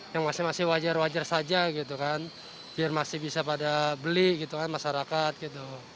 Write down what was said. yang masih masih wajar wajar saja gitu kan biar masih bisa pada beli gitu kan masyarakat gitu